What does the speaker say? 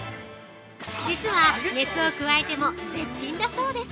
◆実は、熱を加えても絶品だそうです。